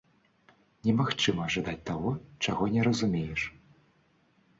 Немагчыма жадаць таго, чаго не разумееш.